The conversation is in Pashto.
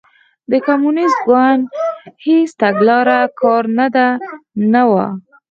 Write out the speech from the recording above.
د کمونېست ګوند هېڅ تګلاره کارنده نه وه.